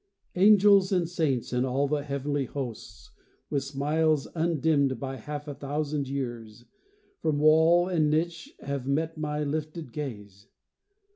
Angels and saints and all the heavenly hosts, With smiles undimmed by half a thousand years, From wall and niche have met my lifted gaze.